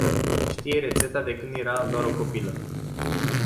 Știe rețeta de când era doar o copilă.